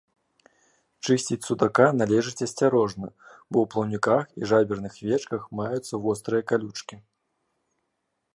Чысціць судака належыць асцярожна, бо ў плаўніках і жаберных вечках маюцца вострыя калючкі.